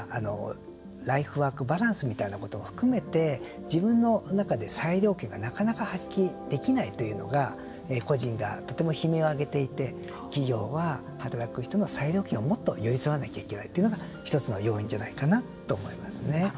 ライフワークバランスみたいなことを含めて、自分の中で裁量権がなかなか発揮できないというのが個人がとても悲鳴を上げていて企業は働く人の裁量権をもっと寄り添わなきゃいけないというのが１つの要因じゃないかなと思いますね。